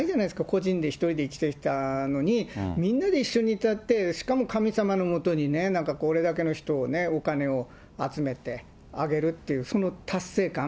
個人で一人で生きてきたのに、みんなで一緒に歌って、神様のもとになんかこれだけの人をね、お金を集めてあげるっていう、その達成感。